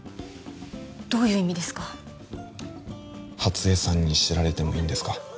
どういう意味ですか初恵さんに知られてもいいんですか？